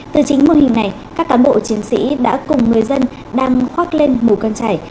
từ chính mô hình này các cán bộ chiến sĩ đã cùng người dân đang khoác lên mù căng trải